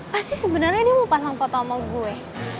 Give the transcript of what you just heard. pasti sebenarnya dia mau pasang foto sama gue